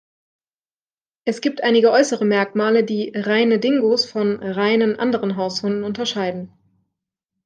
Es gibt einige äußere Merkmale, die „reine“ Dingos von „reinen“ anderen Haushunden unterscheiden.